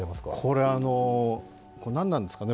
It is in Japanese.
これ、何なんですかね